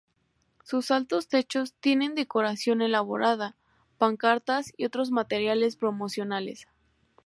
Sus altos techos tienen decoración elaborada, pancartas y otros materiales promocionales.